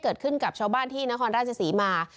เกิดขึ้นกับชาวบ้านที่นครราชศรีมา